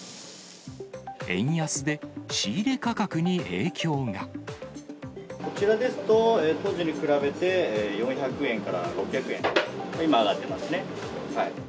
円安で、こちらですと、当時に比べて、４００円から６００円、今、上がってますね。